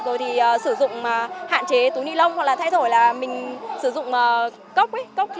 rồi thì sử dụng hạn chế túi ni lông hoặc là thay thổi là mình sử dụng cốc